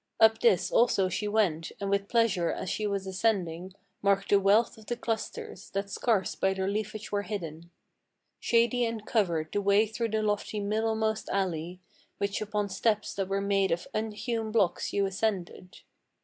Up this also she went, and with pleasure as she was ascending Marked the wealth of the clusters, that scarce by their leafage were hidden. Shady and covered the way through the lofty middlemost alley, Which upon steps that were made of unhewn blocks you ascended.